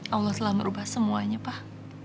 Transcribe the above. allah selalu merubah semuanya pak